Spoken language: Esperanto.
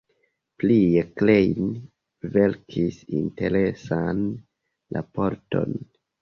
Prie Klein verkis interesan raporton.